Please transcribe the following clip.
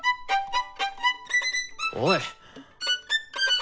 おい。